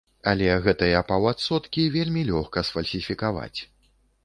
Але гэтыя паўадсоткі вельмі лёгка сфальсіфікаваць.